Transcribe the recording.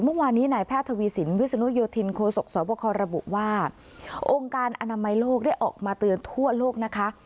เมื่อวานนี้นายแพทย์ทวีสินวิศนุโยธินโคศกสวบคระบุว่าองค์การอนามัยโลกได้ออกมาเตือนทั่วโลกนะคะ